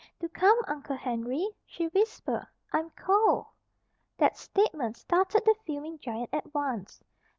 "Do come, Uncle Henry," she whispered. "I'm cold." That statement started the fuming giant at once.